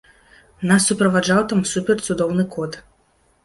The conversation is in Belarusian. Нас суправаджаў там супер-цудоўны кот.